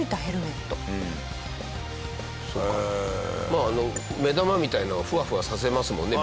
まああの目玉みたいなのをふわふわさせますもんね